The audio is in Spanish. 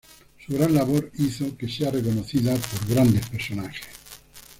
Su gran labor hizo que sea reconocida por grandes personajes.